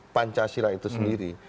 pancasila itu sendiri